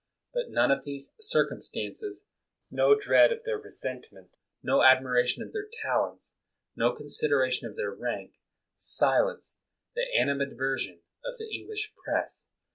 But none of these circumstances, no dread of their resentment, no admiration of their talents, no consideration of their rank, silenced the animadversion of the English Press.